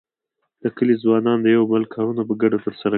د کلي ځوانان د یو او بل کارونه په ګډه تر سره کوي.